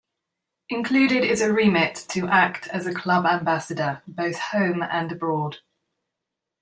Included is a remit to act as a club ambassador, both home and abroad.